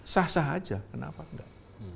sah sah aja kenapa enggak